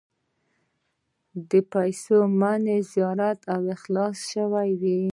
د پیسو منابع زیات را خلاص شوي وې.